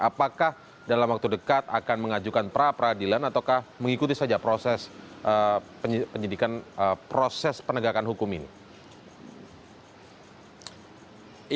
apakah dalam waktu dekat akan mengajukan perapradilan ataukah mengikuti saja proses penegakan hukum ini